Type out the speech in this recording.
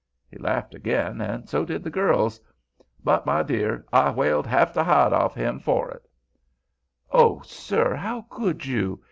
He laughed again, and so did the girls. "But, my dear, I whaled half the hide off'n him for it." "Oh, sir! how could you?